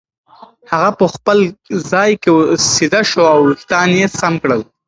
هغه په خپل ځای کې سیده شو او وېښتان یې سم کړل.